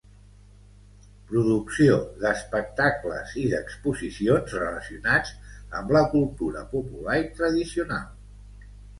Producció d'espectacles i d'exposicions relacionats amb la cultura popular i tradicional.